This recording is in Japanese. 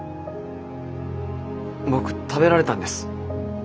僕食べられたんです。